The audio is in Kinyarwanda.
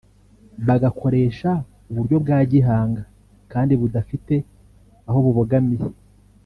bagakoresha uburyo bwa gihanga kandi budafite aho bubogamiye